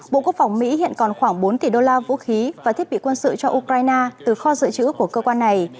bộ quốc phòng mỹ hiện còn khoảng bốn tỷ đô la vũ khí và thiết bị quân sự cho ukraine từ kho dự trữ của cơ quan này